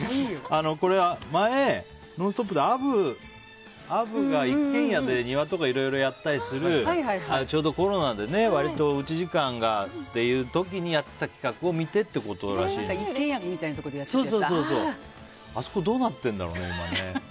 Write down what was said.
前、「ノンストップ！」でアブが一軒家で庭とかいろいろやったりするちょうどコロナでね割とおうち時間がっていう時にやってた企画を一軒家みたいなところであそこどうなってるんだろうね今ね。